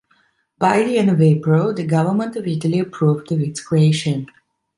By the end of April, the government of Italy approved of its creation.